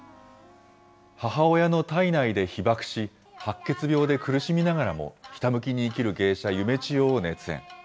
母親の胎内で被爆し、白血病で苦しみながらも、ひたむきに生きる芸者、夢千代を熱演。